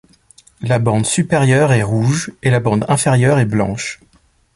La bande supérieure est rouge et la bande inférieure est blanche.